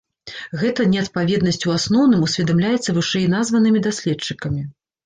Гэта неадпаведнасць у асноўным усведамляецца вышэйназванымі даследчыкамі.